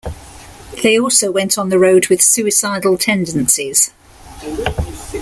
They also went on the road with Suicidal Tendencies.